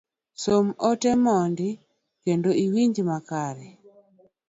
Som ote mondi kendo iwinje makare